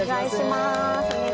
お願いします。